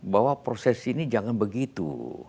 bahwa proses ini jangan begitu